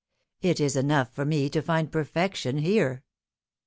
It is enough for me to find perfection here."